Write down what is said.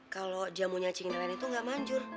kalau jamunya si nelan itu gak manjur